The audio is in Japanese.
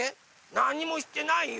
なんにもしてないよ。